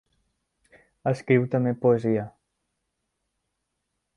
Escriu també poesia.